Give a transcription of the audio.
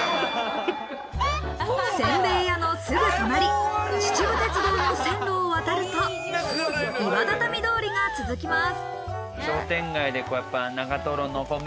煎餅屋のすぐ隣、秩父鉄道の線路を渡ると、岩畳通りが続きます。